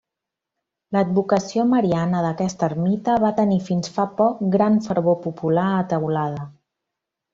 L'advocació mariana d'aquesta ermita va tenir fins fa poc gran fervor popular a Teulada.